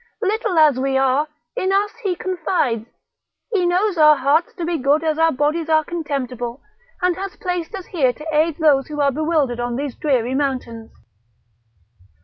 Little as we are, in us he confides; he knows our hearts to be good as our bodies are contemptible, and hath placed us here to aid those who are bewildered on these dreary mountains.